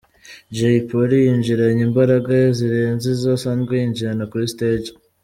Jay Polly yinjiranye imbaraga zirenze izo asanzwe yinjirana kuri stage.